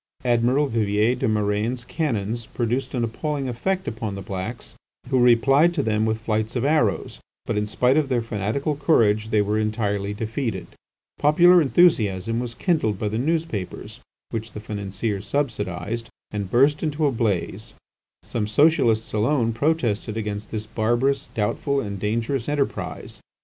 Admiral Vivier des Murènes' cannons produced an appalling effect upon the blacks, who replied to them with flights of arrows, but in spite of their fanatical courage they were entirely defeated. Popular enthusiasm was kindled by the newspapers which the financiers subsidised, and burst into a blaze. Some Socialists alone protested against this barbarous, doubtful, and dangerous enterprise.